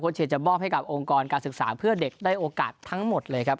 เชียร์จะมอบให้กับองค์กรการศึกษาเพื่อเด็กได้โอกาสทั้งหมดเลยครับ